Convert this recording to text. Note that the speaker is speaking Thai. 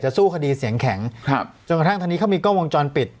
สู้คดีเสียงแข็งครับจนกระทั่งตอนนี้เขามีกล้องวงจรปิด